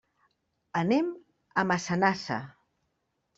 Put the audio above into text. Anem a Massanassa.